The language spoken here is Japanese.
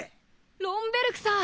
ロン・ベルクさん！